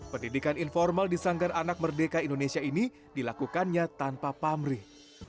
pendidikan informal di sanggar anak merdeka indonesia ini dilakukannya tanpa pamrih